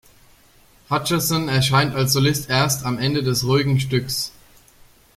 Hutcherson erscheint als Solist erst am Ende des ruhigen Stücks.